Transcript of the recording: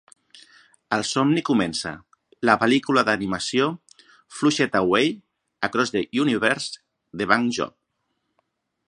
El somni comença; la pel·lícula d'animació Flushed Away; Across the Universe; The Bank Job.